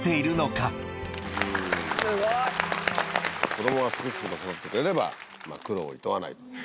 子供がすくすくと育ってくれれば苦労をいとわない。